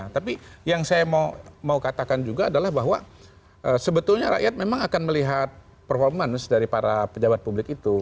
tapi yang saya mau katakan juga adalah bahwa sebetulnya rakyat memang akan melihat performance dari para pejabat publik itu